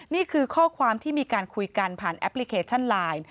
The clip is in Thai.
นี่คือข้อความที่มีการคุยกันผ่านแอปพลิเคชันไลน์